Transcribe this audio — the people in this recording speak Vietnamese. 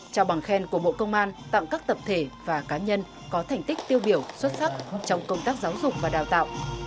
trao bằng khen của bộ công an tặng các tập thể và cá nhân có thành tích tiêu biểu xuất sắc trong công tác giáo dục và đào tạo